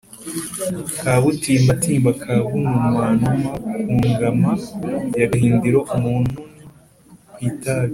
Kabutimbatimba kabunumanuma ku ngama ya Gahindiro-Umununi ku itabi.